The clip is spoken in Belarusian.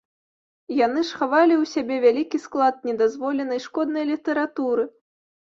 Яны ж хавалі ў сябе вялікі склад недазволенай шкоднай літаратуры.